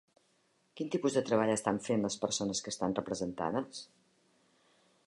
Quin tipus de treball estan fent les persones que estan representades?